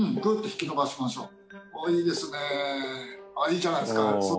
いいじゃないですか。